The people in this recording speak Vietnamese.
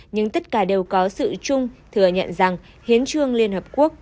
nhưng tất cả đều có sự chung thừa nhận rằng hiến trương liên hợp quốc